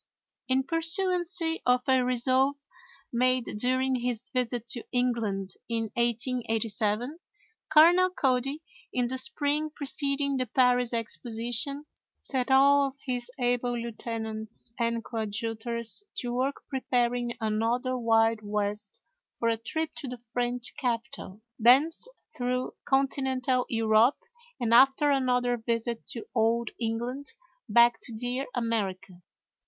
In pursuance of a resolve made during his visit to England in 1887, Colonel Cody, in the spring preceding the Paris Exposition, set all of his able lieutenants and coadjutors to work preparing another Wild West for a trip to the French capital, thence through Continental Europe, and, after another visit to Old England, back to dear America.